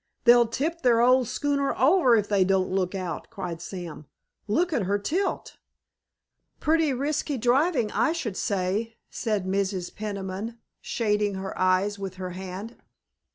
"They'll tip their old schooner over if they don't look out!" cried Sam. "Look at her tilt!" "Pretty risky driving, I should say," said Mrs. Peniman, shading her eyes with her hand.